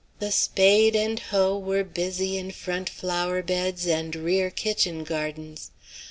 The spade and hoe were busy in front flower beds and rear kitchen gardens.